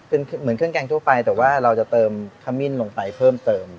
เป็นเหมือนเครื่องแกงทั่วไปแต่ว่าเราจะเติมขมิ้นลงไปเพิ่มเติม